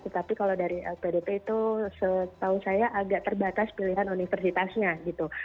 tetapi kalau dari lpdp itu setahu saya agak terbatas pilihan universitasnya gitu